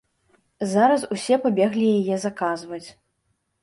Зараз усе пабеглі яе заказваць.